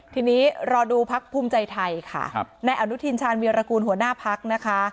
ทีนี้รอดูพักภูมิใจไทยค่ะในอนุทินชาญวีรกูลหัวหน้าพักนะคะ